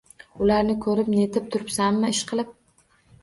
– Ularni ko‘rib-netib turibsanmi, ishqilib?